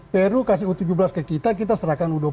peru kasih u tujuh belas ke kita kita serahkan u dua puluh